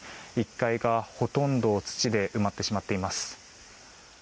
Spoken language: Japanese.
１階がほとんど土で埋まってしまっています。